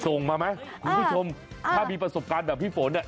ส่งมาไหมคุณผู้ชมถ้ามีประสบการณ์แบบพี่ฝนเนี่ย